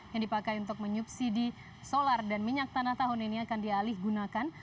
yang dipakai untuk menyubsidi solar dan minyak tanah tahun ini akan dialih gunakan